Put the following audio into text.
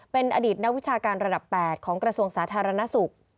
เป็นอดีตนักวิชาการระดับ๘ของกระทรวงสาธารณสุข